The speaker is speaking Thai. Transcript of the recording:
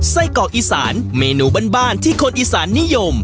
ไส้เกาะอีสานเมนูบ้านที่คนอีสานนิยม